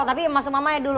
tapi mas umam aja dulu